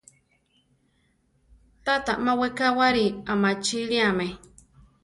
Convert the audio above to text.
Tata má wekáwari amachiliame.